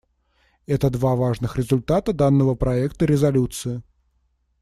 Это два важных результата данного проекта резолюции.